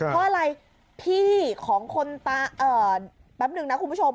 เพราะอะไรพี่ของคนตาแป๊บนึงนะคุณผู้ชม